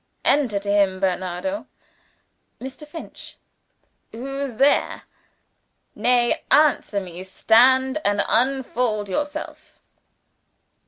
"Enter to him Bernardo" (Mr. Finch). "Who's there?" "Nay, answer me: stand, and unfold yourself."